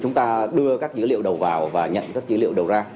chúng ta đưa các dữ liệu đầu vào và nhận các dữ liệu đầu ra